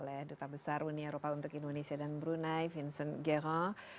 sampai sekarang di eropa seperti di indonesia dan di sebagian besar negara